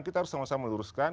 kita harus sama sama meluruskan